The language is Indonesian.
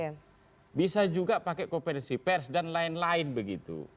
dan orang bisa juga pakai kooperasi pers dan lain lain begitu